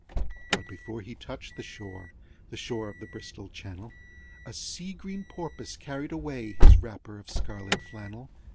IV But before he touched the shore, The shore of the Bristol Channel, A sea green Porpoise carried away His wrapper of scarlet flannel.